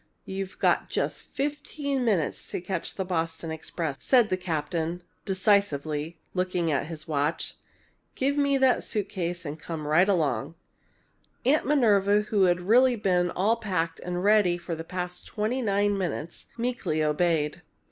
"You've got just fifteen minutes to catch the Boston express," said the captain, decisively, looking at his watch. "Give me that suitcase and come right along." Aunt Minerva, who had really been all packed and ready for the past twenty nine minutes, meekly obeyed.